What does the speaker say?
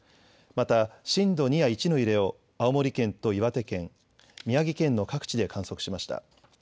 また震度２や１の揺れを青森県と岩手県、宮城県の各地で観測しました。